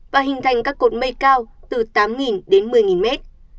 và hình thành các cột mây cao từ tám đến một mươi mét